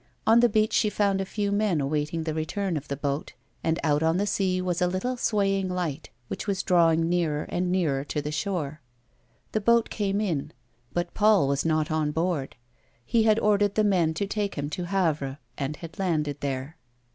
On the beach she found a few men awaiting the return of the boat, and out on the sea was a little swaying light, which was drawin<i A WOMAN'S LIFE. 205 nearer and nearer to the shore. The boat came in but Paul was not on board ; he had ordered the men to take him to Havre, and had landed there.